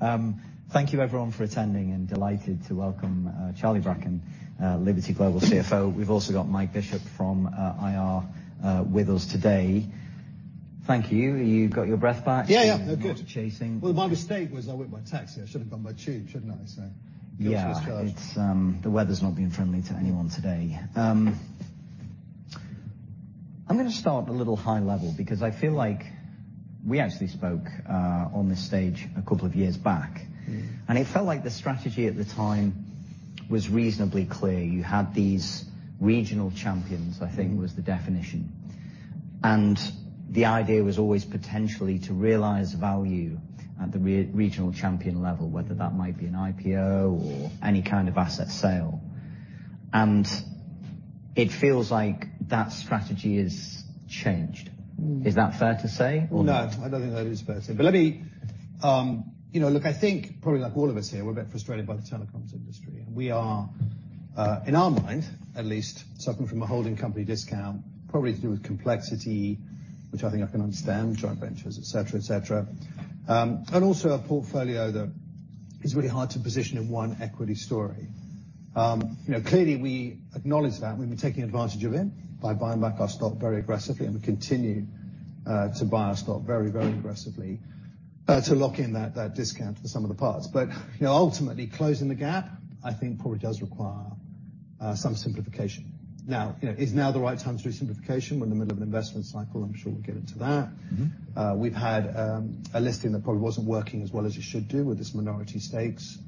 Thank you everyone for attending, and delighted to welcome Charlie Bracken, Liberty Global CFO. We've also got Mike Bishop from IR with us today. Thank you. You've got your breath back? Yeah, I'm good. No more chasing. Well, my mistake was I went by taxi. I should have gone by tube, shouldn't I? Yeah. Swiss cars. It's, the weather's not been friendly to anyone today. I'm gonna start a little high level because I feel like we actually spoke on this stage a couple of years back. Mm. It felt like the strategy at the time was reasonably clear. You had these regional champions, I think, was the definition. The idea was always potentially to realize value at the re-regional champion level, whether that might be an IPO or any kind of asset sale. It feels like that strategy has changed. Mm. Is that fair to say, or? No, I don't think that is fair to say. Let me, you know, look, I think probably like all of us here, we're a bit frustrated by the telecoms industry. We are, in our mind, at least suffering from a holding company discount, probably to do with complexity, which I think I can understand, joint ventures, et cetera, et cetera. Also a portfolio that is really hard to position in one equity story. You know, clearly, we acknowledge that, and we've been taking advantage of it by buying back our stock very aggressively. We continue to buy our stock very, very aggressively to lock in that discount for some of the parts. You know, ultimately closing the gap, I think probably does require some simplification. You know, is now the right time to do simplification? We're in the middle of an investment cycle. I'm sure we'll get into that. Mm-hmm. We've had a listing that probably wasn't working as well as it should do with this minority stakes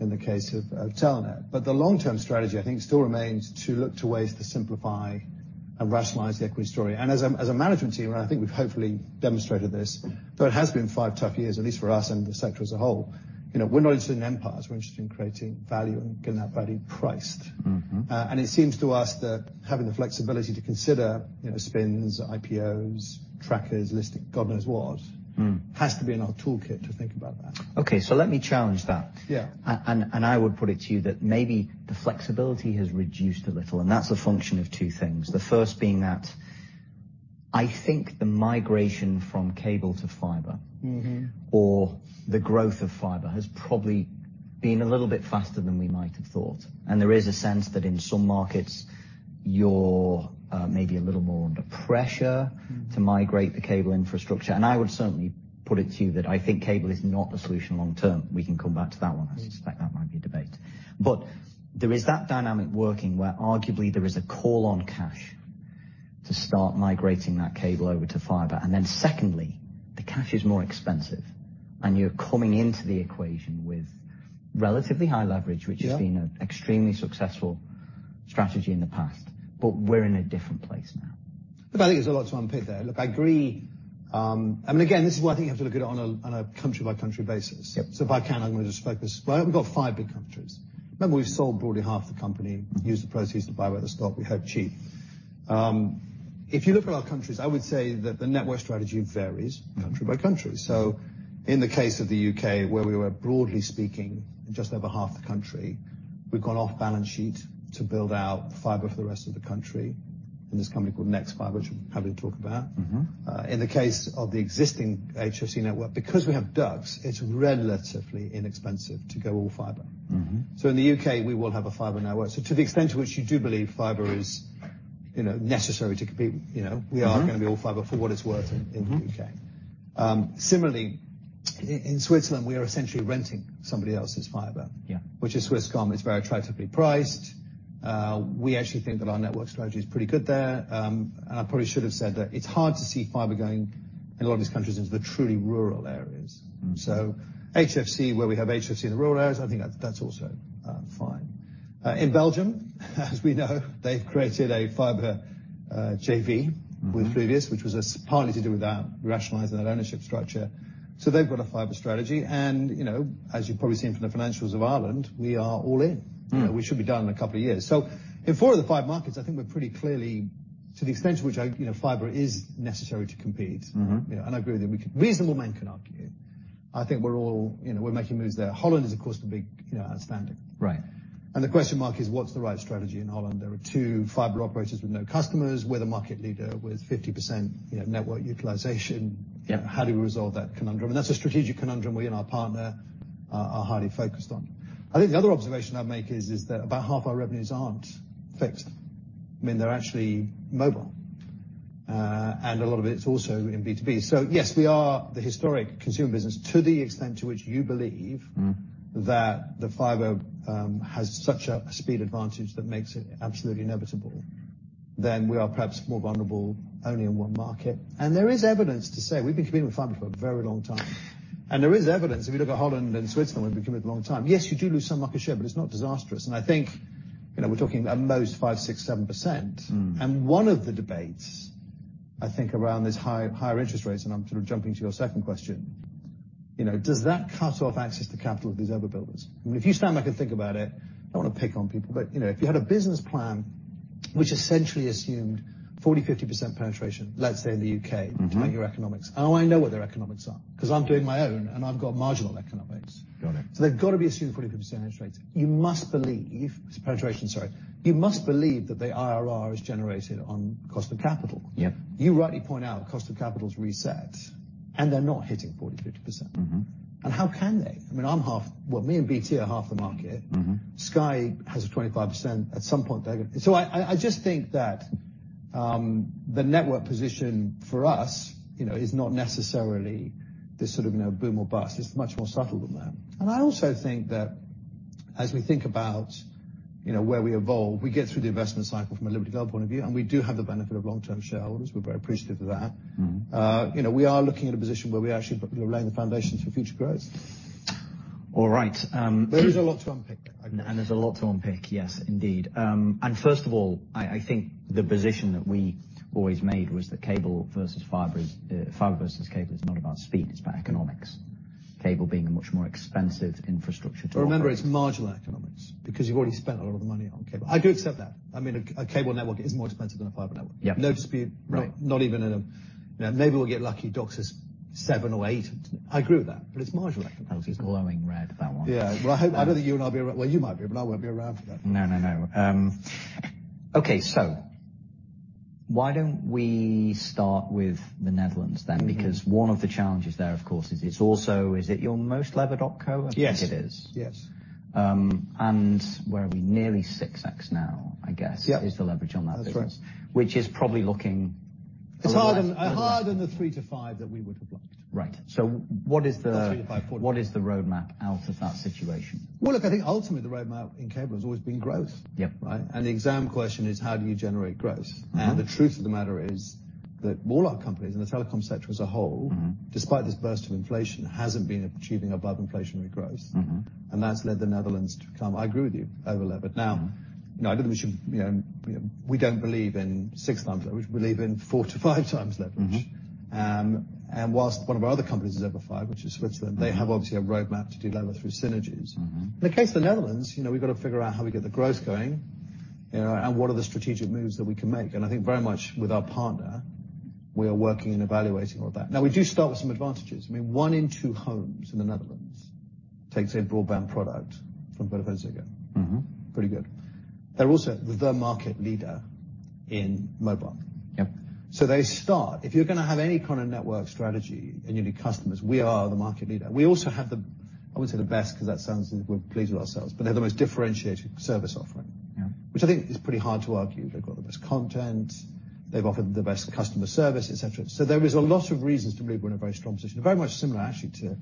in the case of Telenet. The long-term strategy, I think, still remains to look to ways to simplify and rationalize the equity story. As a, as a management team, and I think we've hopefully demonstrated this, though it has been five tough years, at least for us and the sector as a whole, you know, we're not interested in empires. We're interested in creating value and getting that value priced. Mm-hmm. It seems to us that having the flexibility to consider, you know, spins, IPOs, trackers, listing, God knows what. Mm. Has to be in our toolkit to think about that. Okay, let me challenge that. Yeah. I would put it to you that maybe the flexibility has reduced a little, and that's a function of two things. The first being that I think the migration from cable to. Mm-hmm... or the growth of fiber, has probably been a little bit faster than we might have thought. There is a sense that in some markets, you're maybe a little more under pressure. Mm. to migrate the cable infrastructure. I would certainly put it to you that I think cable is not the solution long term. We can come back to that one. Mm. I suspect that might be a debate. There is that dynamic working, where arguably there is a call on cash to start migrating that cable over to fiber. Secondly, the cash is more expensive, and you're coming into the equation with relatively high leverage... Yeah which has been an extremely successful strategy in the past, but we're in a different place now. I think there's a lot to unpick there. Look, I agree, I mean, again, this is why I think you have to look at it on a country-by-country basis. Yep. If I can, I'm gonna just focus. We've got 5 big countries. Remember, we've sold broadly half the company, used the proceeds to buy back the stock we had cheap. If you look at our countries, I would say that the network strategy varies. Mm country by country. In the case of the U.K., where we were, broadly speaking, just over half the country, we've gone off-balance-sheet to build out fiber for the rest of the country in this company called nexfibre, which I'm happy to talk about. Mm-hmm. In the case of the existing HFC network, because we have ducts, it's relatively inexpensive to go all fiber. Mm-hmm. In the UK, we will have a fiber network. To the extent to which you do believe fiber is, you know, necessary to compete. Mm-hmm... we are gonna be all fiber, for what it's worth, in the UK. Mm-hmm. Similarly, in Switzerland, we are essentially renting somebody else's fiber. Yeah. Which is Swisscom. It's very attractively priced. We actually think that our network strategy is pretty good there. I probably should have said that it's hard to see fiber going in a lot of these countries into the truly rural areas. Mm. HFC, where we have HFC in the rural areas, I think that's also fine. In Belgium, as we know, they've created a fiber JV. Mm-hmm... with Fluvius, which was partly to do with that, rationalizing that ownership structure. They've got a fiber strategy, and, you know, as you've probably seen from the financials of Ireland, we are all in. Mm. We should be done in a couple of years. In four of the five markets, I think we're pretty clearly, to the extent to which, you know, fiber is necessary to compete. Mm-hmm... you know, I agree with you, reasonable man can argue, I think we're all, you know, we're making moves there. Holland is, of course, the big, you know, outstanding. Right. The question mark is: What's the right strategy in Holland? There are 2 fiber operators with no customers. We're the market leader with 50%, you know, network utilization. Yeah. How do we resolve that conundrum? That's a strategic conundrum we and our partner are highly focused on. I think the other observation I'd make is that about half our revenues aren't fixed. I mean, they're actually mobile, and a lot of it's also in B2B. Yes, we are the historic consumer business. To the extent to which you believe- Mm... that the fiber has such a speed advantage that makes it absolutely inevitable, then we are perhaps more vulnerable only in one market. There is evidence to say. We've been competing with fiber for a very long time, and there is evidence, if you look at Holland and Switzerland, we've been competing a long time. Yes, you do lose some market share, but it's not disastrous. I think, you know, we're talking at most 5%, 6%, 7%. Mm. One of the debates, I think, around this higher interest rates, and I'm sort of jumping to your second question, you know, does that cut off access to capital of these other builders? I mean, if you stand back and think about it, I don't want to pick on people, but, you know, if you had a business plan which essentially assumed 40%, 50% penetration, let's say, in the U.K.... Mm-hmm to drive your economics, and I know what their economics are, 'cause I'm doing my own, and I've got marginal economics. Got it. They've got to be assuming 40% interest rates. Penetration, sorry. You must believe that the IRR is generated on cost of capital. Yeah. You rightly point out, cost of capital is reset. They're not hitting 40%, 50%. Mm-hmm. How can they? I mean, Well, me and BT are half the market. Mm-hmm. Sky has a 25%. I just think that the network position for us, you know, is not necessarily this sort of, you know, boom or bust. It's much more subtle than that. I also think that as we think about, you know, where we evolve, we get through the investment cycle from a Liberty Global point of view, and we do have the benefit of long-term shareholders. We're very appreciative of that. Mm-hmm. You know, we are looking at a position where we actually are laying the foundations for future growth. All right. There is a lot to unpick. There's a lot to unpick, yes, indeed. First of all, I think the position that we always made was that cable versus fiber is, fiber versus cable is not about speed, it's about economics. Cable being a much more expensive infrastructure to operate. Remember, it's marginal economics, because you've already spent a lot of the money on cable. I do accept that. I mean, a cable network is more expensive than a fiber network. Yeah. No dispute. Right. You know, maybe we'll get lucky, DOCSIS 7 or 8. I agree with that. It's marginal economics. I was glowing red, that one. Yeah. I don't think you and I'll be around. You might be, but I won't be around for that. No, no. Okay, why don't we start with the Netherlands? Mm-hmm. One of the challenges there, of course, is it's also, is it your most levered op co? Yes. I think it is. Yes. Where are we? Nearly 6x now, I guess. Yeah. is the leverage on that business. That's right. Which is probably looking- It's harder than the 3-5 that we would have liked. Right. What is? Not three to five, four. What is the roadmap out of that situation? Well, look, I think ultimately, the roadmap in cable has always been growth. Yeah. Right? The exam question is: How do you generate growth? Mm-hmm. The truth of the matter is that all our companies in the telecom sector as a whole Mm-hmm. despite this burst of inflation, hasn't been achieving above-inflationary growth. Mm-hmm. That's led the Netherlands to become, I agree with you, over-levered. Mm-hmm. Now, you know, I don't think we should, you know. We don't believe in 6x leverage. We believe in 4x-5x leverage. Mm-hmm. Whilst one of our other companies is over 5, which is Switzerland. Mm-hmm. They have obviously a roadmap to delever through synergies. Mm-hmm. In the case of the Netherlands, you know, we've got to figure out how we get the growth going, you know, what are the strategic moves that we can make. I think very much with our partner, we are working and evaluating all that. Now, we do start with some advantages. I mean, one in two homes in the Netherlands takes a broadband product from VodafoneZiggo. Mm-hmm. Pretty good. They're also the market leader in mobile. Yep. They start. If you're gonna have any kind of network strategy and you need customers, we are the market leader. We also have the, I wouldn't say, the best, because that sounds like we're pleased with ourselves, but they're the most differentiated service offering. Yeah. Which I think is pretty hard to argue. They've got the best content, they've offered the best customer service, et cetera. There is a lot of reasons to believe we're in a very strong position, very much similar, actually, to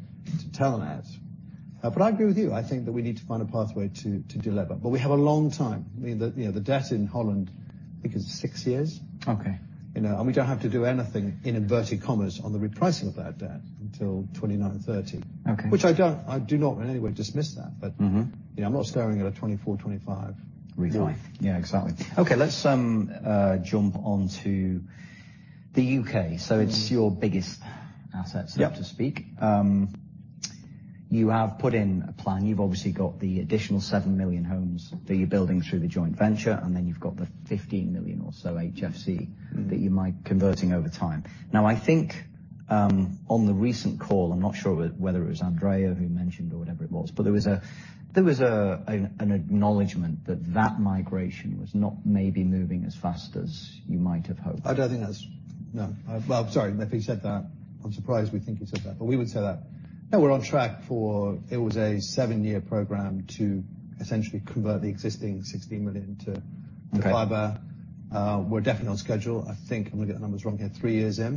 Telenet. I agree with you. I think that we need to find a pathway to delever, but we have a long time. I mean, the, you know, the debt in Holland, I think is six years. Okay. You know, we don't have to do anything in inverted commas on the repricing of that debt until 2029, 2030. Okay. I do not in any way dismiss that. Mm-hmm. you know, I'm not staring at a 24, 25. Revive. Yeah, exactly. Okay, let's jump on to the UK. Mm-hmm. it's your biggest asset- Yep. to speak. You have put in a plan. You've obviously got the additional 7 million homes that you're building through the joint venture, you've got the 15 million or so. Mm-hmm. -that you might converting over time. I think, on the recent call, I'm not sure whether it was Andrea who mentioned or whatever it was, but there was an acknowledgment that that migration was not maybe moving as fast as you might have hoped. I don't think that's. No. I'm sorry, if he said that, I'm surprised we think he said that, but we would say that. No, we're on track for. It was a seven-year program to essentially convert the existing 16 million. Okay. fiber. We're definitely on schedule. I think, I'm gonna get the numbers wrong here, three years in.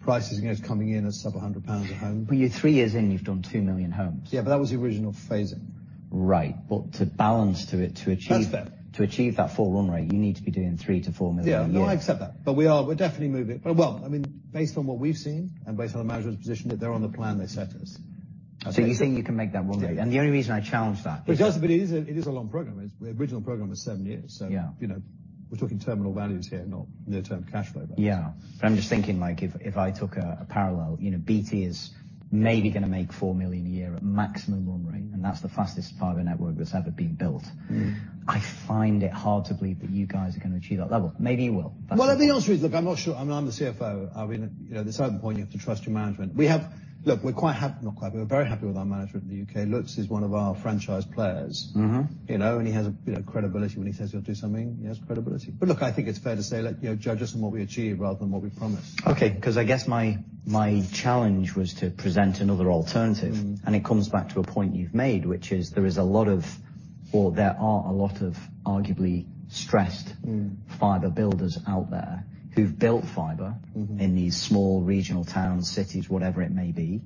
Price is, you know, coming in at several hundred GBP a home. You're three years in, you've done 2 million homes. Yeah, that was the original phasing. Right. To balance to it, to achieve-. That's fair. To achieve that full run rate, you need to be doing $3 million-$4 million a year. Yeah. Well, I accept that, but we're definitely moving. Well, I mean, based on what we've seen and based on the management position, that they're on the plan they set us. You're saying you can make that run rate? Yeah. the only reason I challenge that. It is a long program. The original program was seven years. Yeah. You know, we're talking terminal values here, not near-term cash flow. Yeah. I'm just thinking, like, if I took a parallel, you know, BT is maybe gonna make 4 million a year at maximum run rate, and that's the fastest fiber network that's ever been built. Mm-hmm. I find it hard to believe that you guys are gonna achieve that level. Maybe you will. Well, I think the answer is, look, I'm not sure. I mean, I'm the CFO. I mean, you know, at a certain point, you have to trust your management. Look, we're quite happy... Not quite. We're very happy with our management in the UK. Lutz is one of our franchise players. Mm-hmm. You know, he has a, you know, credibility. When he says he'll do something, he has credibility. Look, I think it's fair to say, like, you know, judge us on what we achieve rather than what we promise. Okay, 'cause I guess my challenge was to present another alternative. Mm-hmm. It comes back to a point you've made, which is there is a lot of, or there are a lot of arguably stressed- Mm. fiber builders out there who've built fiber- Mm-hmm. in these small regional towns, cities, whatever it may be.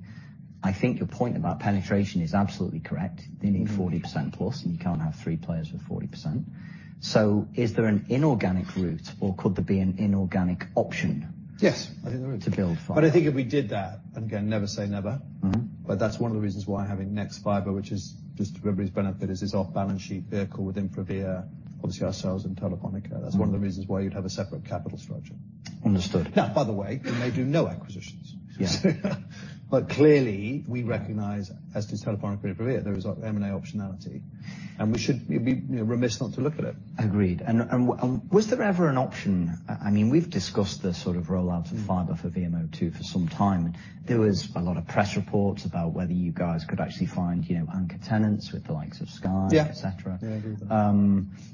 I think your point about penetration is absolutely correct. Mm-hmm. You need 40% plus, and you can't have three players with 40%. Is there an inorganic route or could there be an inorganic option? Yes, I think there. To build fiber. I think if we did that, and again, never say never. Mm-hmm. That's one of the reasons why having nexfibre, which is just to everybody's benefit, is this off-balance sheet vehicle within InfraVia, obviously ourselves and Telefónica. Mm-hmm. That's one of the reasons why you'd have a separate capital structure. Understood. By the way, it may do no acquisitions. Yeah. Clearly, we recognize, as does Telefónica and InfraVia, there is M&A optionality. We should be, you know, remiss not to look at it. Agreed. Was there ever an option, I mean, we've discussed the sort of rollout of. Mm-hmm for VMO2 for some time. There was a lot of press reports about whether you guys could actually find, you know, anchor tenants with the likes of Sky. Yeah et cetera. Yeah.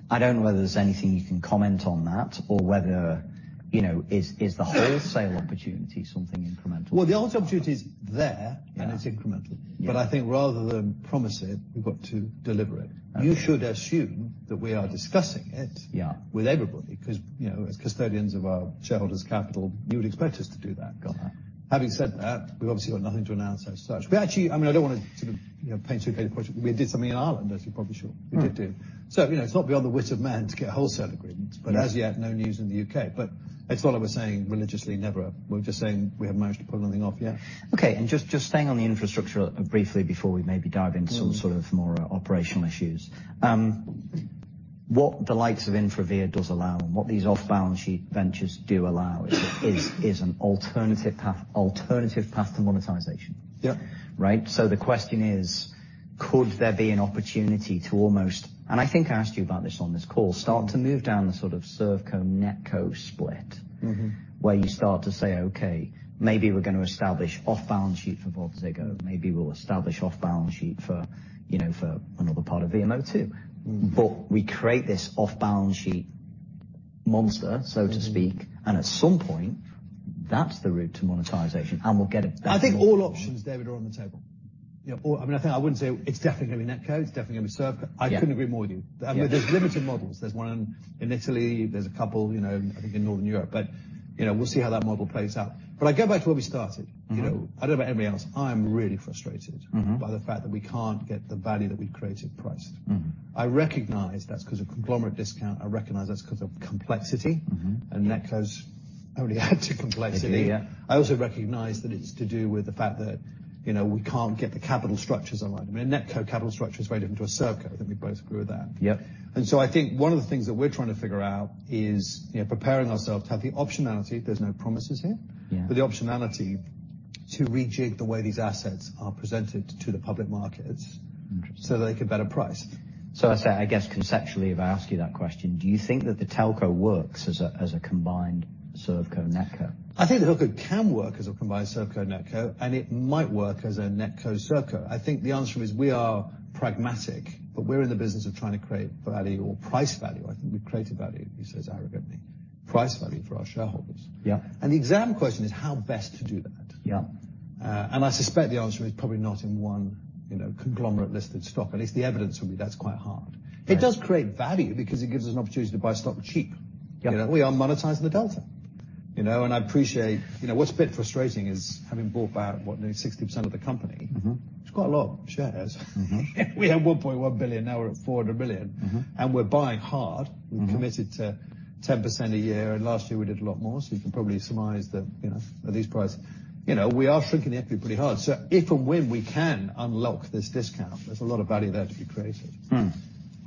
I don't know whether there's anything you can comment on that or whether, you know, is the wholesale opportunity something incremental? Well, the wholesale opportunity is there. Yeah. It's incremental. Yeah. I think rather than promise it, we've got to deliver it. Absolutely. You should assume that we are discussing. Yeah... with everybody, because, you know, as custodians of our shareholders' capital, you would expect us to do that. Got that. Having said that, we've obviously got nothing to announce as such. I mean, I don't want to sort of, you know, paint too pretty a picture. We did something in Ireland, as you're probably sure. Mm. We did do. you know, it's not beyond the wit of man to get wholesale agreements. Yeah. As yet, no news in the UK. It's not like we're saying religiously, never. We're just saying we have managed to put nothing off yet. Okay, just staying on the infrastructure briefly before we maybe dive into. Mm... some sort of more operational issues. What the likes of InfraVia does allow and what these off-balance sheet ventures do allow is an alternative path to monetization. Yeah. Right? The question is, could there be an opportunity to almost, and I think I asked you about this on this call, start to move down the sort of ServCo NetCo split? Mm-hmm. Where you start to say, "Okay, maybe we're gonna establish off-balance sheet for VodafoneZiggo. Maybe we'll establish off-balance sheet for, you know, for another part of VMO2. Mm-hmm. we create this off-balance sheet monster, so to speak. Mm-hmm At some point, that's the route to monetization, and we'll get it. I think all options, David, are on the table. Yeah, I mean, I think I wouldn't say it's definitely going to be NetCo, it's definitely going to be ServCo. Yeah. I couldn't agree more with you. Yeah. I mean, there's limited models. There's one in Italy, there's a couple, you know, I think in Northern Europe. You know, we'll see how that model plays out. I go back to where we started. Mm-hmm. You know, I don't know about anybody else. I'm really frustrated. Mm-hmm by the fact that we can't get the value that we've created priced. Mm-hmm. I recognize that's because of conglomerate discount. I recognize that's because of complexity. Mm-hmm. NetCo's only add to complexity. They do, yeah. I also recognize that it's to do with the fact that, you know, we can't get the capital structures aligned. I mean, a NetCo capital structure is very different to a ServCo, and we both agree with that. Yeah. I think one of the things that we're trying to figure out is, you know, preparing ourselves to have the optionality. There's no promises here. Yeah the optionality to rejig the way these assets are presented to the public markets. Interesting They get better price. I say, I guess conceptually, if I ask you that question, do you think that the telco works as a, as a combined ServCo NetCo? I think the telco can work as a combined ServCo NetCo, and it might work as a NetCo ServCo. I think the answer is we are pragmatic, but we're in the business of trying to create value or price value. I think we've created value, he says arrogantly. Price value for our shareholders. Yeah. The exam question is how best to do that? Yeah. I suspect the answer is probably not in one, you know, conglomerate-listed stock. At least the evidence will be, that's quite hard. Right. It does create value because it gives us an opportunity to buy stock cheap. Yeah. You know, we are monetizing the delta. You know, I appreciate... You know, what's a bit frustrating is, having bought back what, nearly 60% of the company- Mm-hmm it's quite a lot of shares. Mm-hmm. We have $1.1 billion, now we're at $400 million. Mm-hmm. We're buying hard. Mm-hmm. We've committed to 10% a year, and last year we did a lot more, so you can probably surmise that, you know, at least price. You know, we are shrinking the FP pretty hard. If and when we can unlock this discount, there's a lot of value there to be created.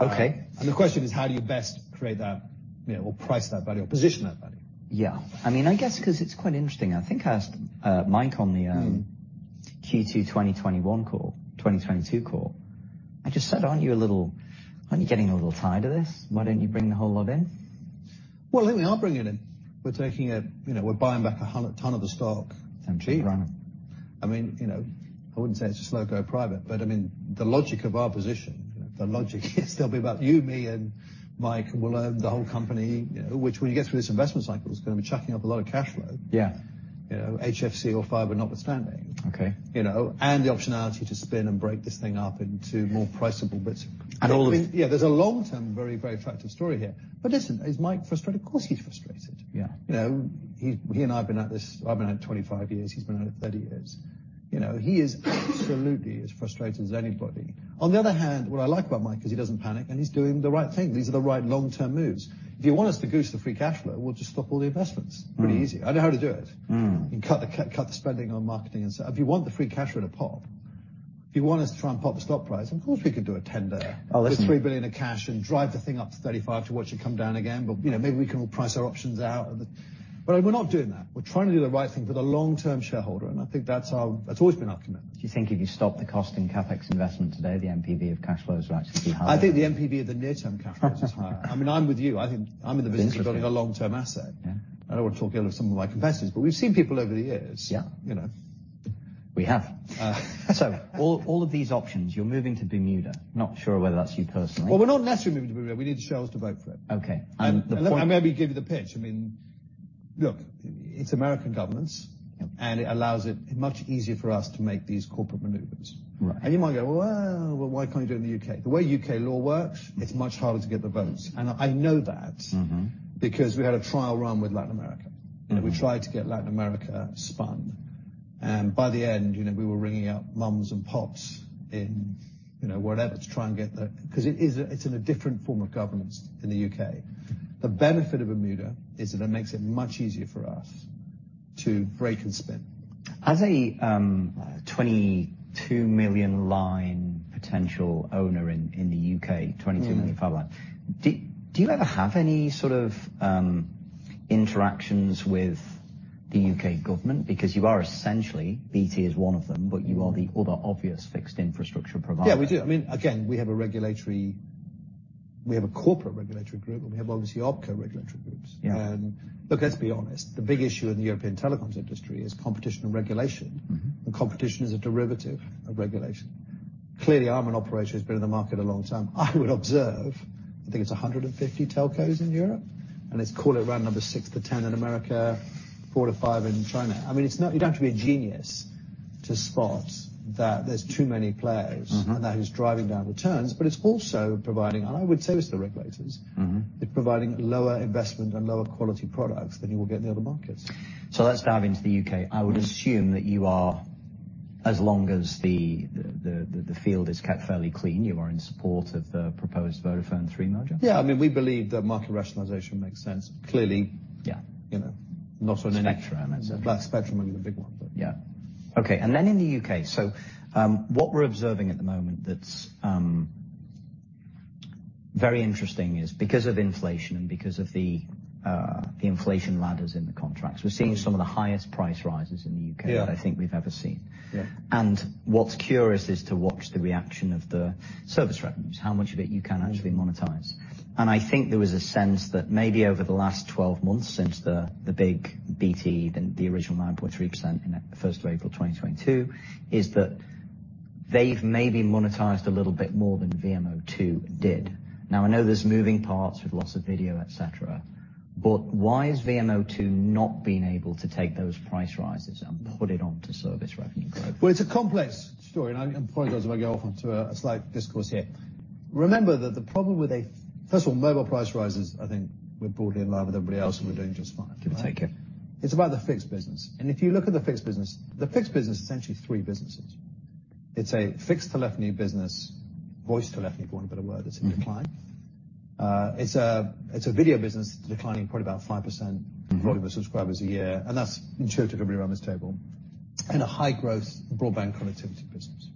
Okay. The question is: How do you best create that, you know, or price that value or position that value? Yeah. I mean, I guess because it's quite interesting, I think I asked, Mike. Mm... Q2 2021 call, 2022 call. I just said, "Aren't you a little, aren't you getting a little tired of this? Why don't you bring the whole lot in? Well, I think we are bringing it in. We're taking a, you know, we're buying back a ton of the stock. Cheap, right? I mean, you know, I wouldn't say it's just slow go private, but I mean, the logic of our position, the logic is they'll be about you, me, and Mike, and we'll own the whole company, you know, which when you get through this investment cycle, is gonna be chucking up a lot of cash flow. Yeah. You know, HFC or fiber notwithstanding. Okay. You know, the optionality to spin and break this thing up into more price-able bits. all of. Yeah, there's a long-term, very, very attractive story here. Listen, is Mike frustrated? Of course, he's frustrated. Yeah. You know, he and I have been at this, I've been at it 25 years, he's been at it 30 years. You know, he is absolutely as frustrated as anybody. On the other hand, what I like about Mike is he doesn't panic, and he's doing the right thing. These are the right long-term moves. If you want us to goose the free cash flow, we'll just stop all the investments. Mm. Pretty easy. I know how to do it. Mm. You cut the spending on marketing and stuff. If you want the free cash flow to pop, if you want us to try and pop the stock price, of course, we could do a tender. I'll listen. There's $3 billion of cash and drive the thing up to 35 to watch it come down again, you know, maybe we can all price our options out. We're not doing that. We're trying to do the right thing for the long-term shareholder, I think that's our... That's always been our commitment. Do you think if you stop the cost and CapEx investment today, the NPV of cash flows will actually be higher? I think the NPV of the near-term cash flows is higher. I mean, I'm with you. I think I'm in the. Interesting of building a long-term asset. Yeah. I don't want to talk any other some of my investors, but we've seen people over the years. Yeah. You know? We have. Uh. All of these options, you're moving to Bermuda. Not sure whether that's you personally. Well, we're not necessarily moving to Bermuda. We need shareholders to vote for it. Okay. The point- I maybe give you the pitch. I mean, look, it's American governance. Yep It allows it much easier for us to make these corporate maneuvers. Right. You might go, "Well, why can't you do it in the U.K.?" The way U.K. law works, it's much harder to get the votes. I know that. Mm-hmm... because we had a trial run with Latin America. Mm. You know, we tried to get Latin America spun, and by the end, you know, we were ringing out moms and pops in, you know, whatever, to try and get the... Because it is, it's in a different form of governance in the U.K. The benefit of Bermuda is that it makes it much easier for us to break and spin. As a, 22 million line potential owner in the UK- Mm... 22 million fiber line, do you ever have any sort of interactions with the U.K. government, because you are essentially, BT is one of them, but you are the other obvious fixed infrastructure provider? Yeah, we do. I mean, again, we have a regulatory, we have a corporate regulatory group, and we have obviously opco regulatory groups. Yeah. Look, let's be honest. The big issue in the European telecoms industry is competition and regulation. Mm-hmm. Competition is a derivative of regulation. Clearly, I'm an operator who's been in the market a long time. I would observe, I think it's 150 telcos in Europe, and let's call it around number 6-10 in America, 4-5 in China. I mean, you don't have to be a genius to spot that there's too many players. Mm-hmm. That is driving down returns, but it's also providing, and I would say this to the regulators. Mm-hmm. it's providing lower investment and lower quality products than you will get in the other markets. Let's dive into the U.K. I would assume that you are, as long as the field is kept fairly clean, you are in support of the proposed Vodafone Three merger? Yeah. I mean, we believe that market rationalization makes sense. Yeah. you know, not on any spectrum. Plus, spectrum is a big one. Yeah. Okay, in the UK, what we're observing at the moment that's very interesting is because of inflation and because of the inflation ladders in the contracts, we're seeing some of the highest price rises in the UK. Yeah. that I think we've ever seen. Yeah. What's curious is to watch the reaction of the service revenues, how much of it you can actually monetize. I think there was a sense that maybe over the last 12 months since the big BT, the original 9.3% in the 1st of April 2022, is that they've maybe monetized a little bit more than VMO2 did. I know there's moving parts with lots of video, et cetera, but why has VMO2 not been able to take those price rises and put it onto service revenue growth? Well, it's a complex story, and I apologize if I go off onto a slight discourse here. First of all, mobile price rises, I think we're broadly in line with everybody else, and we're doing just fine. We'll take it. It's about the fixed business. If you look at the fixed business, the fixed business is essentially three businesses. It's a fixed telephony business, voice telephony, for want of a better word. Mm-hmm. It's in decline. It's a video business declining probably about 5%- Mm-hmm. In volume of subscribers a year, and that's true to everybody around this table. A high-growth broadband connectivity business.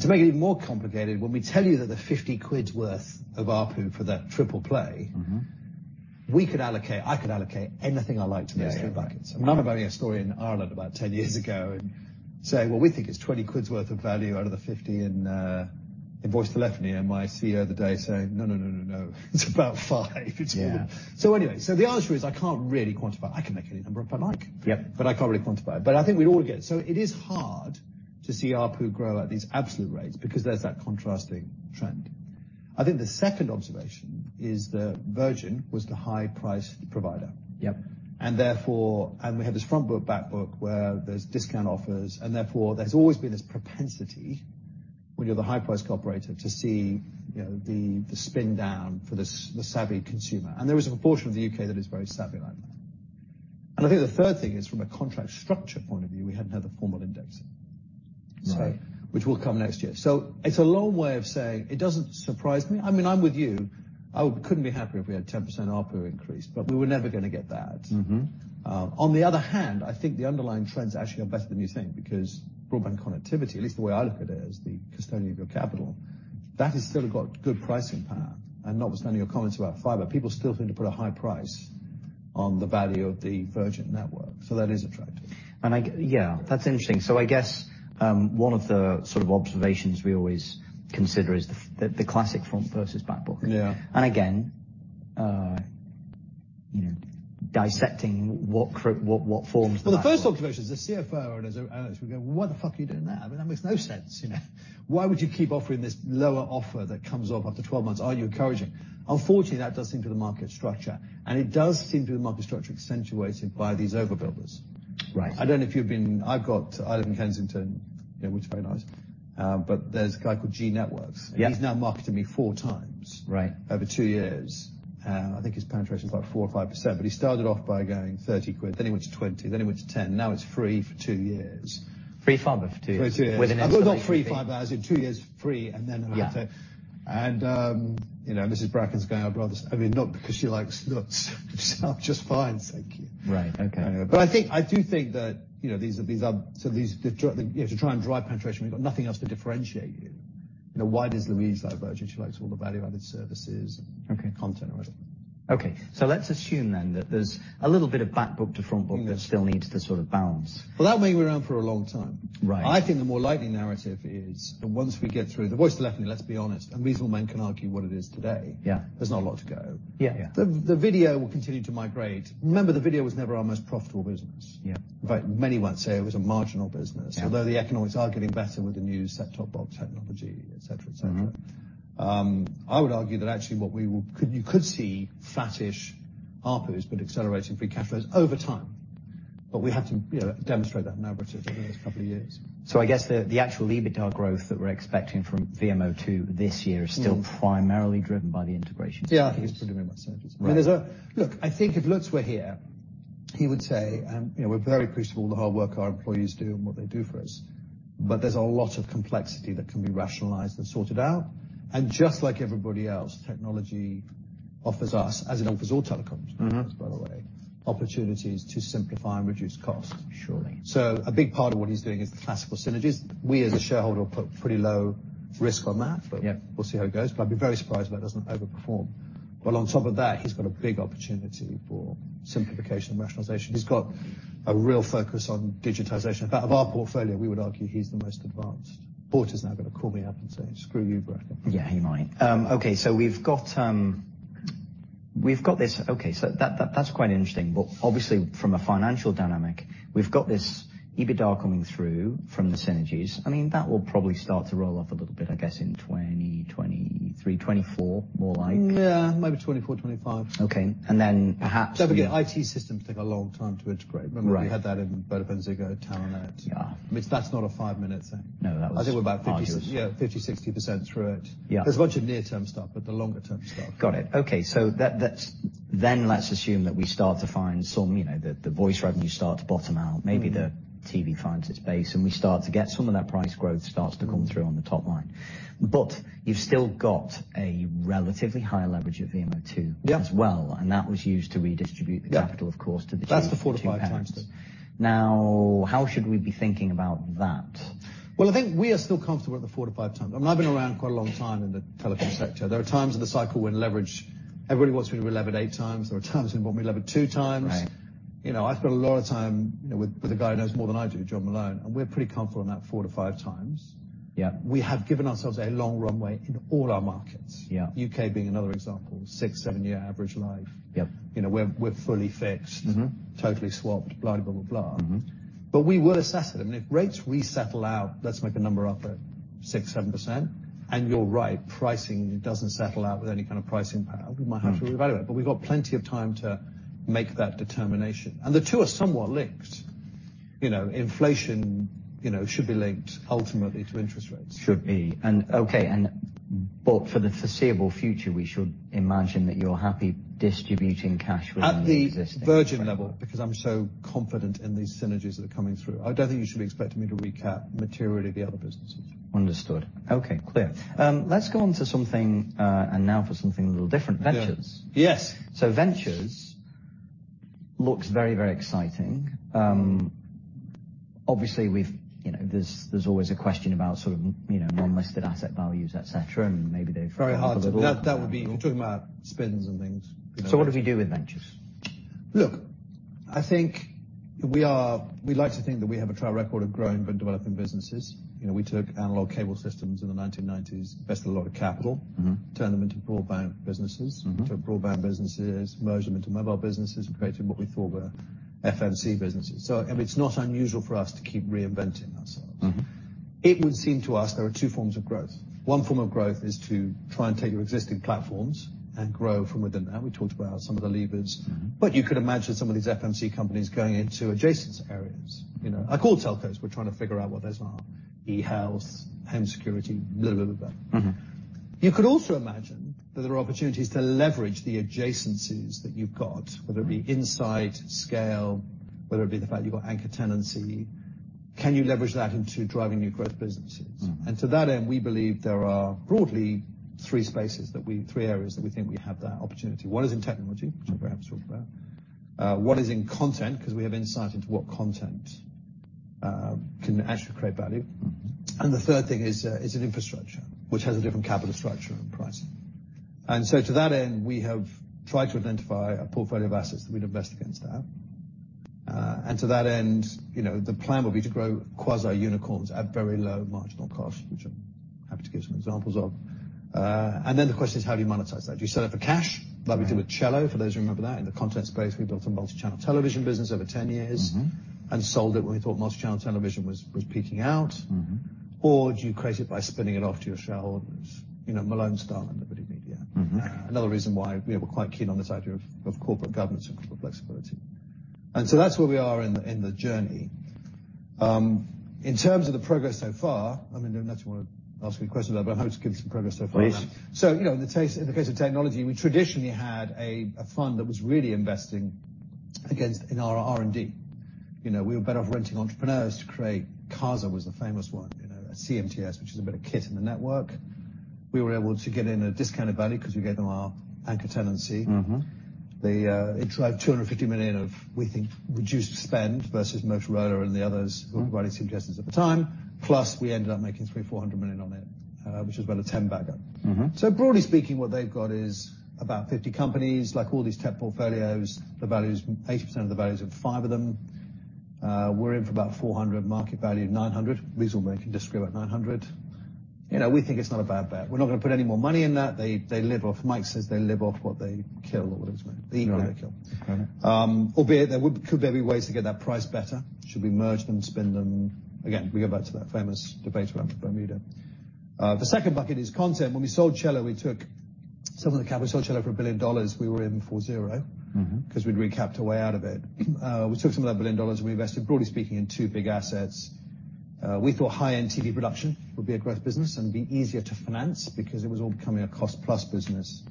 To make it even more complicated, when we tell you that the 50 quids worth of ARPU for that triple play- Mm-hmm. We could allocate, I could allocate anything I like to those two buckets. Yeah, yeah. I remember having a story in Ireland about 10 years ago and saying, Well, we think it's 20 quids worth of value out of the 50 in in voice telephony, and my CEO the day saying, "No, no, no. It's about 5. Yeah. The answer is, I can't really quantify. I can make any number if I like. Yeah. I can't really quantify it. I think we all get it. It is hard to see ARPU grow at these absolute rates because there's that contrasting trend. I think the second observation is that Virgin was the high-price provider. Yep. Therefore, we have this front book, back book, where there's discount offers, and therefore, there's always been this propensity when you're the high-price operator, to see, you know, the spin down for the savvy consumer. There is a proportion of the UK that is very savvy like that. I think the third thing is from a contract structure point of view, we hadn't had a formal indexing. Right. Which will come next year. It's a long way of saying it doesn't surprise me. I mean, I'm with you. I couldn't be happier if we had a 10% ARPU increase. We were never gonna get that. Mm-hmm. On the other hand, I think the underlying trends are actually are better than you think, because broadband connectivity, at least the way I look at it, as the custodian of your capital, that has still got good pricing power. Notwithstanding your comments about fiber, people still think to put a high price on the value of the Virgin network. That is attractive. Yeah, that's interesting. I guess one of the sort of observations we always consider is the classic front versus back book. Yeah. again, you know, dissecting what forms. The first observation as a CFO or as owners, we go, "What the are you doing there? I mean, that makes no sense." You know, "Why would you keep offering this lower offer that comes off after 12 months? Aren't you encouraging?" Unfortunately, that does seem to be the market structure, and it does seem to be the market structure accentuated by these overbuilders. Right. I don't know if I've got, I live in Kensington, you know, which is very nice, but there's a guy called G.Network. Yeah. He's now marketed me 4 times. Right. -over 2 years. I think his penetration is like 4% or 5%, he started off by going 30 quid, then he went to 20 quid, then he went to 10 quid, now it's free for 2 years. Free fiber for two years. For 2 years. With an installation fee. Well, not free fiber, as in two years free, and then. Yeah. You know, Mr. Bracken's going out brothers, I mean, not because she likes Lutz. She's doing just fine, thank you. Right. Okay. I think, I do think that, you know, these are, so these to try and drive penetration, we've got nothing else to differentiate you. You know, why does Louise like Virgin? She likes all the value-added services... Okay. -content and whatever. Okay. Let's assume then that there's a little bit of back book to front book that still needs to sort of balance. Well, that may be around for a long time. Right. I think the more likely narrative is that once we get through the voice telephony, let's be honest, and reasonable men can argue what it is today. Yeah. there's not a lot to go. Yeah, yeah. The video will continue to migrate. Remember, the video was never our most profitable business. Yeah. In fact, many might say it was a marginal business. Yeah. The economics are getting better with the new set-top box technology, et cetera, et cetera. Mm-hmm. I would argue that actually you could see fattish ARPUs, accelerating free cash flows over time. We have to, you know, demonstrate that narrative over the next couple of years. I guess the actual EBITDA growth that we're expecting from VMO2 this year. Yeah. is still primarily driven by the integration. I think it's pretty much synergies. Right. I mean. Look, I think if Lutz were here, he would say, and, you know, we're very appreciative of all the hard work our employees do and what they do for us, but there's a lot of complexity that can be rationalized and sorted out. Just like everybody else, technology offers us, as it offers all telecoms- Mm-hmm. by the way, opportunities to simplify and reduce costs. Surely. A big part of what he's doing is the classical synergies. We, as a shareholder, put pretty low risk on that. Yeah. We'll see how it goes, but I'd be very surprised if that doesn't overperform. On top of that, he's got a big opportunity for simplification and rationalization. He's got a real focus on digitization. Out of our portfolio, we would argue he's the most advanced. Porter is now gonna call me up and say, "Screw you, Bracken. Yeah, he might. We've got, we've got this. That's quite interesting. Obviously, from a financial dynamic, we've got this EBITDA coming through from the synergies. I mean, that will probably start to roll off a little bit, I guess, in 2023, 2024, more like. Yeah, maybe 24, 25. Okay. then perhaps- Don't forget, IT systems take a long time to integrate. Right. Remember, we had that in Vodafone, Ziggo, Telenet. Yeah. I mean, that's not a five-minute thing. No, that. I think we're about. Yeah. 50%, 60% through it. Yeah. There's a bunch of near-term stuff, but the longer-term stuff. Got it. Okay, so that's. Let's assume that we start to find some, you know, the voice revenue start to bottom out. Mm-hmm. Maybe the TV finds its base, and we start to get some of that price growth starts to come through on the top line. You've still got a relatively high leverage of the MO2... Yeah. as well, and that was used to redistribute the capital. Yeah. of course, to the G 2. That's the 4x-5x. Now, how should we be thinking about that? Well, I think we are still comfortable at the 4x-5x. I mean, I've been around quite a long time in the telephone sector. There are times in the cycle when leverage, everybody wants me to levered 8x. There are times when we lever 2x. Right. You know, I've spent a lot of time, you know, with a guy who knows more than I do, John Malone. We're pretty comfortable in that 4x-5x. Yeah. We have given ourselves a long runway in all our markets. Yeah. UK being another example, 6-7-year average life. Yep. You know, we're fully. Mm-hmm. totally swapped, blah, blah. Mm-hmm. We will assess it, and if rates resettle out, let's make a number up at 6%, 7%, and you're right, pricing doesn't settle out with any kind of pricing power, we might have to reevaluate. Mm-hmm. We've got plenty of time to make that determination. The two are somewhat linked. You know, inflation, you know, should be linked ultimately to interest rates. Should be. Okay, and but for the foreseeable future, we should imagine that you're happy distributing cash flow at the existing- At the Virgin level, because I'm so confident in these synergies that are coming through, I don't think you should be expecting me to recap materially the other businesses. Understood. Okay, clear. let's go on to something, and now for something a little different, Ventures. Yes. Ventures looks very, very exciting. Obviously, we've, you know, there's always a question about sort of, you know, non-listed asset values, et cetera, and maybe. Very hard. That would be... You're talking about spins and things. what do we do with Ventures? Look, I think we like to think that we have a track record of growing but developing businesses. You know, we took analog cable systems in the 1990s, invested a lot of capital. Mm-hmm. Turned them into broadband businesses. Mm-hmm. Took broadband businesses, merged them into mobile businesses, and created what we thought were FMC businesses. I mean, it's not unusual for us to keep reinventing ourselves. Mm-hmm. It would seem to us there are two forms of growth. One form of growth is to try and take your existing platforms and grow from within that. We talked about some of the levers. Mm-hmm. You could imagine some of these FMC companies going into adjacent areas. You know, I call telcos, we're trying to figure out what those are. E-health, home security, blah, blah. Mm-hmm. You could also imagine that there are opportunities to leverage the adjacencies that you've got, whether it be insight, scale, whether it be the fact you've got anchor tenancy. Can you leverage that into driving new growth businesses? Mm-hmm. To that end, we believe there are broadly three areas that we think we have that opportunity. One is in technology, which we perhaps talked about. One is in content, 'cause we have insight into what content can actually create value. Mm-hmm. The third thing is in infrastructure, which has a different capital structure and pricing. To that end, we have tried to identify a portfolio of assets that we'd invest against that. To that end, you know, the plan will be to grow quasi-unicorns at very low marginal costs, which I'm happy to give some examples of. Then the question is, how do you monetize that? Do you sell it for cash, like we did with Cello, for those who remember that? In the content space, we built a multi-channel television business over 10 years. Mm-hmm. sold it when we thought multi-channel television was peaking out. Mm-hmm. Do you create it by spinning it off to your shareholders? You know, Malone style and Liberty Media. Mm-hmm. Another reason why we were quite keen on this idea of corporate governance and corporate flexibility. That's where we are in the, in the journey. In terms of the progress so far, I mean, unless you want to ask me a question about it, I'm happy to give some progress so far. Please. you know, in the case of technology, we traditionally had a fund that was really investing against in our R&D. You know, we were better off renting entrepreneurs. Casa was the famous one, you know, CMTS, which is a bit of kit in the network. We were able to get in a discounted value because we gave them our anchor tenancy. Mm-hmm. The, it drove $250 million of, we think, reduced spend versus Motorola and the others. Mm-hmm. who were providing suggestions at the time. We ended up making $300 million-$400 million on it, which is about a 10 bagger. Mm-hmm. Broadly speaking, what they've got is about 50 companies. Like all these tech portfolios, the value is 80% of the values of five of them. We're in for about $400, market value of $900. These will make a discrete at $900. You know, we think it's not a bad bet. We're not gonna put any more money in that. Mike says they live off what they kill or what it is. They kill. Got it. Albeit there would, could very be ways to get that price better. Should we merge them, spin them? Again, we go back to that famous debate around Bermuda. The second bucket is content. When we sold Cello, we took some of the cap. We sold Cello for $1 billion. We were in for zero... Mm-hmm. We'd recapped our way out of it. We took some of that $1 billion, and we invested, broadly speaking, in two big assets. We thought high-end TV production would be a growth business and be easier to finance because it was all becoming a cost-plus business,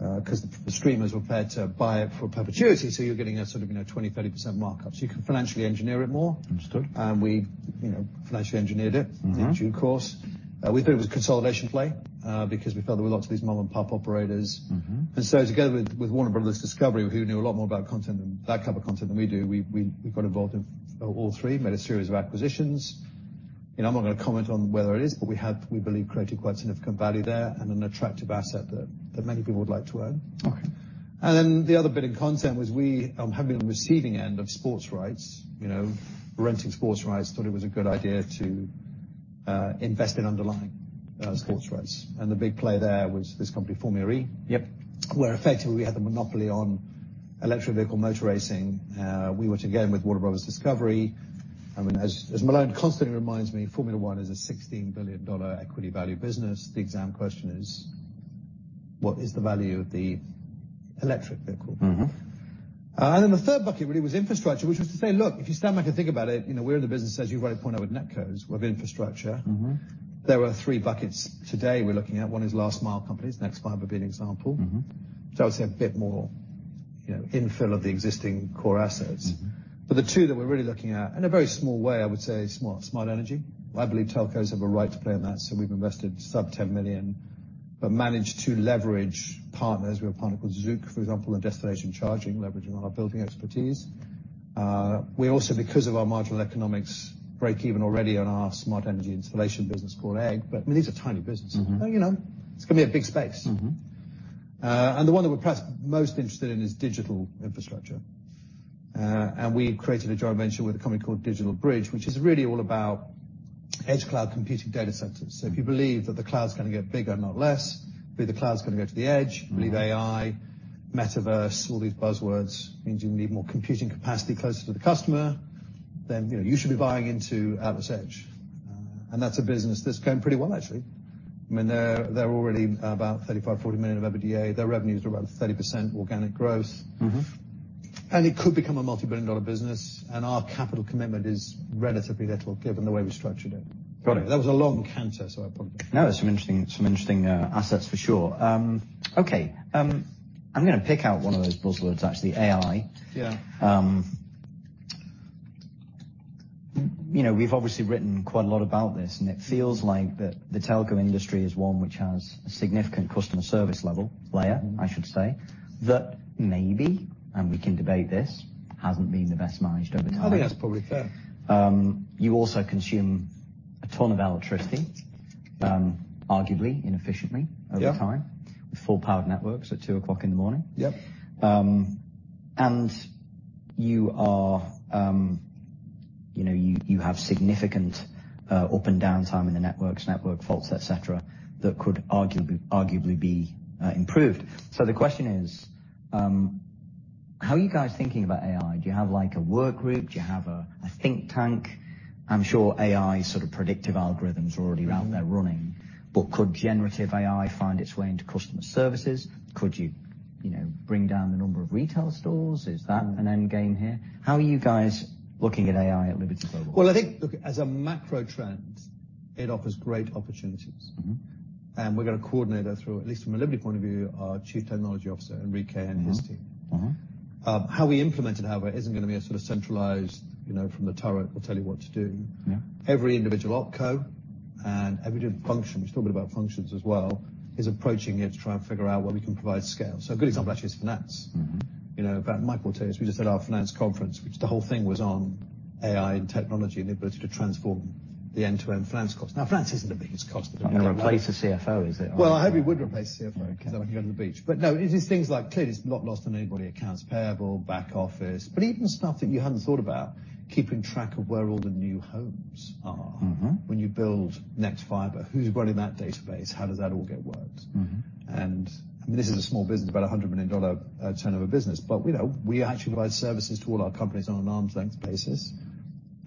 'cause the streamers were prepared to buy it for perpetuity. You're getting a sort of, you know, 20%, 30% markup, so you can financially engineer it more. Understood. We, you know, financially engineered it. Mm-hmm. In due course. We thought it was a consolidation play, because we felt there were lots of these mom-and-pop operators. Mm-hmm. Together with Warner Bros. Discovery, who knew a lot more about that type of content than we do, we got involved in All3Media, made a series of acquisitions. You know, I'm not gonna comment on whether it is, but we have, we believe, created quite significant value there and an attractive asset that many people would like to own. Okay. The other bit in content was we have been on the receiving end of sports rights, you know, renting sports rights. Thought it was a good idea to invest in underlying sports rights. The big play there was this company, Formula E. Yep. Where effectively we had the monopoly on electric vehicle motor racing. Which again, with Warner Bros. Discovery, I mean, as Malone constantly reminds me, Formula One is a $16 billion equity value business. The exam question is: What is the value of the electric vehicle? Mm-hmm. The third bucket really was infrastructure, which was to say, "Look, if you stand back and think about it, you know, we're in the business, as you rightly point out, with NetCos, with infrastructure. Mm-hmm. There are three buckets today we're looking at. One is last mile companies. nexfibre being an example. Mm-hmm. I would say a bit more, you know, infill of the existing core assets. Mm-hmm. The two that we're really looking at, in a very small way, I would say smart energy. I believe telcos have a right to play in that, so we've invested sub $10 million, but managed to leverage partners. We have a partner called Zouk, for example, in destination charging, leveraging on our building expertise. We also, because of our marginal economics, break even already on our smart energy installation business called Egg, but these are tiny businesses. Mm-hmm. You know, it's gonna be a big space. Mm-hmm. The one that we're perhaps most interested in is digital infrastructure. We created a joint venture with a company called DigitalBridge, which is really all about edge cloud computing data centers. If you believe that the cloud's gonna get bigger, not less, believe the cloud's gonna go to the edge, believe AI, metaverse, all these buzzwords, means you need more computing capacity closer to the customer, then, you know, you should be buying into AtlasEdge. That's a business that's going pretty well, actually. I mean, they're already about $35 million-$40 million of EBITDA. Their revenues are about 30% organic growth. Mm-hmm. It could become a multi-billion dollar business, and our capital commitment is relatively little, given the way we structured it. Got it. That was a long answer, so I probably. No, some interesting assets for sure. Okay, I'm gonna pick out one of those buzzwords, actually, AI. Yeah. You know, we've obviously written quite a lot about this, and it feels like that the telco industry is one which has a significant customer service level, layer, I should say, that maybe, and we can debate this, hasn't been the best managed over time. I think that's probably fair. You also consume a ton of electricity, arguably inefficiently. Yeah over time, with full-powered networks at 2:00 A.M. Yep. You are, you know, you have significant up and down time in the networks, network faults, et cetera, that could arguably be improved. The question is, how are you guys thinking about AI? Do you have, like, a work group? Do you have a think tank? I'm sure AI sort of predictive algorithms are already out there running, but could generative AI find its way into customer services? Could you know, bring down the number of retail stores? Is that an end game here? How are you guys looking at AI at Liberty Global? I think, look, as a macro trend, it offers great opportunities. Mm-hmm. We're gonna coordinate that through, at least from a Liberty point of view, our Chief Technology Officer, Enrique, and his team. Mm-hmm. Mm-hmm. How we implement it, however, isn't gonna be a sort of centralized, you know, from the turret, we'll tell you what to do. Yeah. Every individual opco and every different function, we've talked about functions as well, is approaching it to try and figure out where we can provide scale. A good example actually is finance. Mm-hmm. You know, Mike will tell you, we just had our finance conference, which the whole thing was on AI and technology and the ability to transform the end-to-end finance cost. Finance isn't the biggest cost. Not gonna replace the CFO, is it? Well, I hope he would replace the CFO- Okay I can go to the beach. No, it is things like, clearly it's not lost on anybody, accounts payable, back office, but even stuff that you hadn't thought about, keeping track of where all the new homes are. Mm-hmm. When you build nexfibre, who's running that database? How does that all get worked? Mm-hmm. I mean, this is a small business, about a $100 million turnover business, but, you know, we actually provide services to all our companies on an arm's length basis,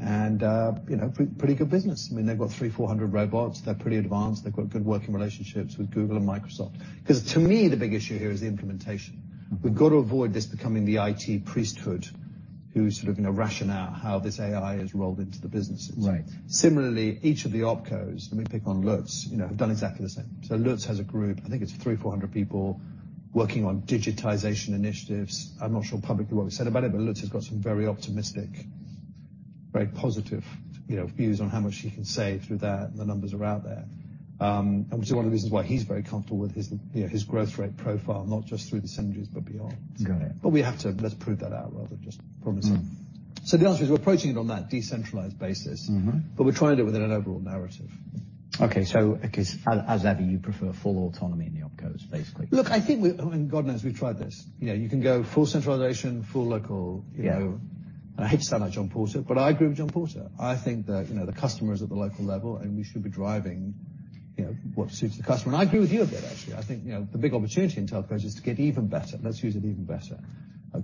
and, you know, pretty good business. I mean, they've got 300-400 robots. They're pretty advanced. They've got good working relationships with Google and Microsoft. To me, the big issue here is the implementation. Mm-hmm. We've got to avoid this becoming the IT priesthood, who's sort of going to rationale how this AI is rolled into the businesses. Right. Similarly, each of the opcos, let me pick on Lutz, you know, have done exactly the same. Lutz has a group, I think it's 300 or 400 people, working on digitization initiatives. I'm not sure publicly what we've said about it, but Lutz has got some very optimistic, very positive, you know, views on how much he can save through that. The numbers are out there. Which is one of the reasons why he's very comfortable with his, you know, his growth rate profile, not just through the synergies, but beyond. Got it. Let's prove that out, rather than just promise it. Mm-hmm. The answer is, we're approaching it on that decentralized basis. Mm-hmm. We're trying to do it with an overall narrative. Okay, I guess, as ever, you prefer full autonomy in the opcos, basically? Look, God knows, we've tried this. You know, you can go full centralization, full local, you know. Yeah. I hate to sound like John Porter, I agree with John Porter. I think that, you know, the customer is at the local level, we should be driving, you know, what suits the customer. I agree with you a bit, actually. I think, you know, the big opportunity in telcos is to get even better. Let's use it even better,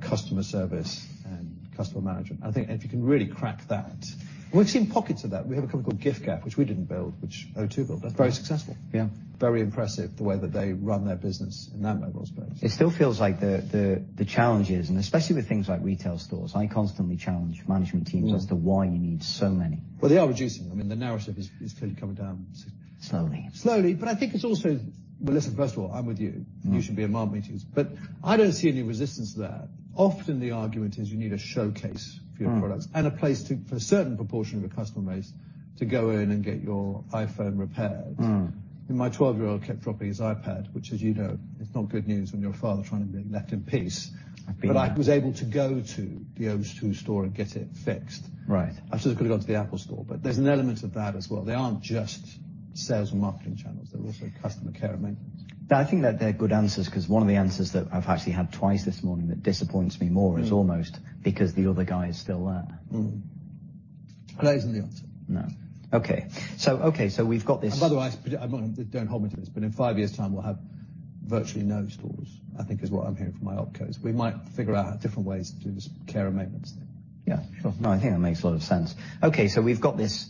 customer service and customer management. I think if you can really crack that. We've seen pockets of that. We have a company called giffgaff, which we didn't build, which O2 built. That's very successful. Yeah. Very impressive, the way that they run their business in that mobile space. It still feels like the challenges, and especially with things like retail stores, I constantly challenge management teams. Yeah -as to why you need so many. Well, they are reducing. I mean, the narrative is clearly coming down. Slowly. Slowly, but I think it's also... Well, listen, first of all, I'm with you. Mm-hmm. You should be in my meetings, I don't see any resistance there. Often, the argument is you need a showcase for your products. Mm A place to, for a certain proportion of your customer base, to go in and get your iPhone repaired. Mm. My 12-year-old kept dropping his iPad, which, as you know, it's not good news when you're a father trying to be left in peace. I feel you. I was able to go to the O2 store and get it fixed. Right. I still could have gone to the Apple store, but there's an element of that as well. They aren't just sales and marketing channels. They're also customer care and maintenance. No, I think that they're good answers, 'cause one of the answers that I've actually had twice this morning that disappoints me more- Mm. is almost because the other guy is still there. That isn't the answer. No. Okay. Okay, we've got this- By the way, don't hold me to this, but in 5 years' time, we'll have virtually no stores, I think is what I'm hearing from my opcos. We might figure out different ways to do this care and maintenance thing. Yeah, sure. No, I think that makes a lot of sense. Okay, we've got this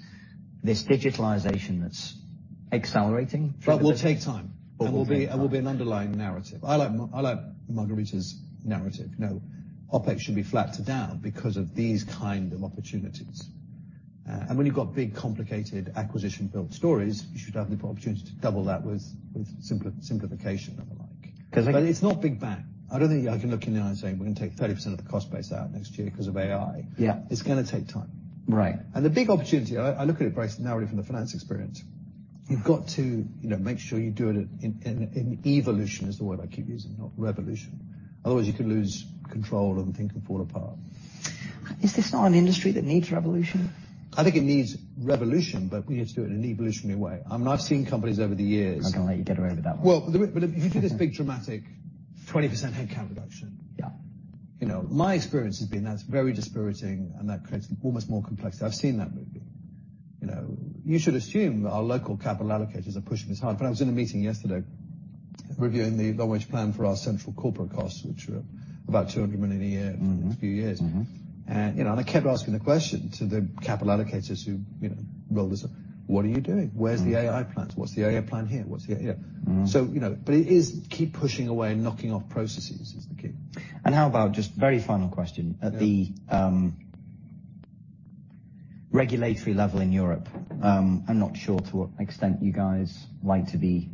digitalization that's accelerating... Will take time. Will take time. Will be an underlying narrative. I like Margherita's narrative. No, OpEx should be flat to down because of these kind of opportunities. When you've got big, complicated acquisition build stories, you should have the opportunity to double that with simplification and the like. 'Cause I- It's not big bang. I don't think I can look you in the eye and say, "We're gonna take 30% of the cost base out next year 'cause of AI. Yeah. It's gonna take time. Right. The big opportunity, I look at it, Bryce, narrowly from the finance experience. You've got to, you know, make sure you do it. Evolution is the word I keep using, not revolution. Otherwise, you can lose control and the thing can fall apart. Is this not an industry that needs revolution? I think it needs revolution, but we need to do it in an evolutionary way. Mm. I've seen companies over the years- I'm not gonna let you get away with that one. Well, if you do this big, dramatic 20% headcount reduction. Yeah. you know, my experience has been that's very dispiriting, and that creates almost more complexity. I've seen that movie. You know, you should assume that our local capital allocators are pushing us hard. I was in a meeting yesterday, reviewing the runway plan for our central corporate costs, which are about $200 million a year. Mm-hmm. for the next few years. Mm-hmm. You know, and I kept asking the question to the capital allocators who, you know, rolled this up: "What are you doing? Where's the AI plan? What's the AI plan here? Mm-hmm. you know, but it is keep pushing away and knocking off processes is the key. How about, just very final question? Yeah. At the, regulatory level in Europe, I'm not sure to what extent you guys like to be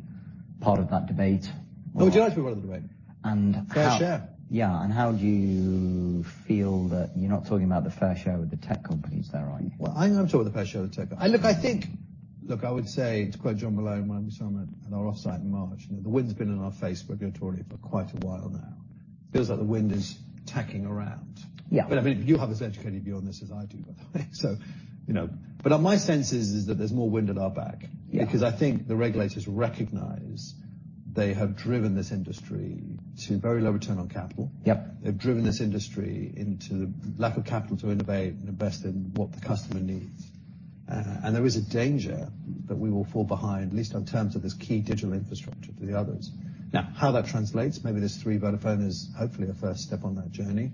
part of that debate. No, we do like to be part of the debate. And how- Fair Share. Yeah, how do you feel that you're not talking about the Fair Share with the tech companies there, are you? Well, I know I'm talking about the Fair Share with the tech companies. Look, I would say, to quote John Malone, when I was at our offsite in March, "The wind's been in our face regulatory for quite a while now." Feels like the wind is tacking around. Yeah. I mean, you have as educated view on this as I do, by the way, so you know. My sense is that there's more wind at our back. Yeah. I think the regulators recognize they have driven this industry to very low return on capital. Yep. They've driven this industry into lack of capital to innovate and invest in what the customer needs. There is a danger that we will fall behind, at least in terms of this key digital infrastructure, to the others. Yeah. How that translates, maybe this Three Vodafone is hopefully a first step on that journey.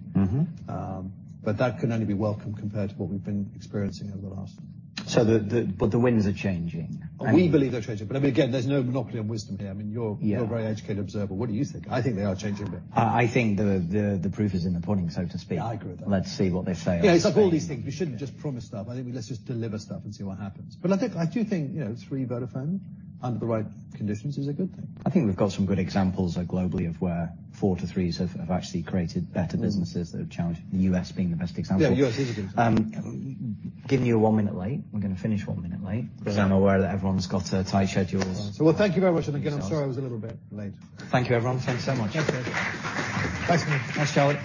Mm-hmm. That can only be welcome compared to what we've been experiencing over the last. The but the winds are changing. We believe they're changing. Again, there's no monopoly on wisdom here. I mean. Yeah you're a very educated observer. What do you think? I think they are changing a bit. I think the, the proof is in the pudding, so to speak. I agree with that. Let's see what they say. Yeah, it's like all these things. We shouldn't just promise stuff. I think we let's just deliver stuff and see what happens. I think, I do think, you know, Three Vodafone, under the right conditions, is a good thing. I think we've got some good examples, globally of where 4 to 3s have actually created better businesses that have challenged, the U.S. being the best example. Yeah, the US is a good example. Giving you a 1-minute light. We're gonna finish 1 minute late- Yeah. 'Cause I'm aware that everyone's got tight schedules. Well, thank you very much. Again, I'm sorry I was a little bit late. Thank you, everyone. Thanks so much. Thank you. Thanks. Thanks, Charlie.